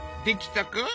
できたか？